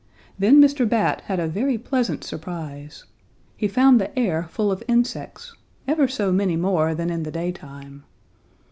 Then Mr. Bat had a very pleasant surprise. He found the air full of insects, ever so many more than in the daytime.